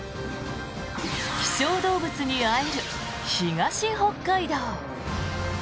希少動物に会える、東北海道。